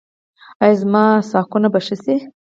ایا زما ساقونه به ښه شي؟